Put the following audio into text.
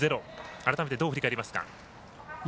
改めて、どう振り返りますか？